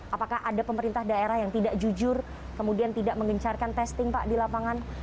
apakah ada pemerintah daerah yang tidak jujur kemudian tidak mengencarkan testing pak di lapangan